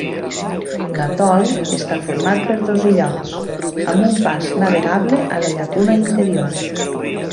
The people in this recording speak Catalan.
L'atol està format per dos illots, amb un pas navegable a la llacuna interior.